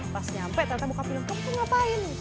pas nyampe ternyata bokap bilang kamu tuh ngapain